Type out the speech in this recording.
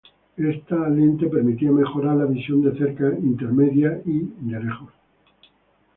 Esta lente permitía mejorar la visión de cerca, intermedia y lejos.